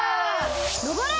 のぼれ！